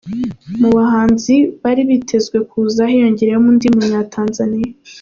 Mu bahanzi bari bitezwe kuza hiyongereyeho undi munya Tanzania….